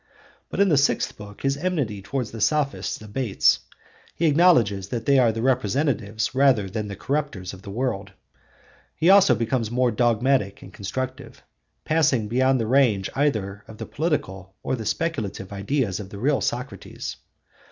But in the sixth book his enmity towards the Sophists abates; he acknowledges that they are the representatives rather than the corrupters of the world. He also becomes more dogmatic and constructive, passing beyond the range either of the political or the speculative ideas of the real Socrates.